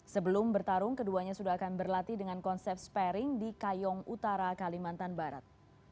sebelum bertarung keduanya sudah akan berlatih dengan konsep sparing di kayong utara kalimantan barat